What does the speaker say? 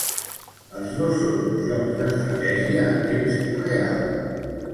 Els dos són jocs d'estratègia en temps real.